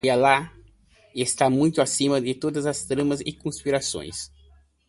E Alá está muito acima de todas as tramas e conspirações